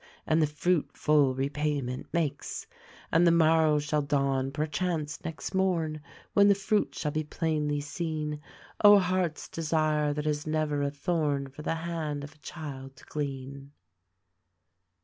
and the fruit full repayment makes. And the morrow shall dawn, — perchance, next morn, — when the fruit shall be plainly seen: O, heart's desire, that has never a thorn for the hand of a child to glean!"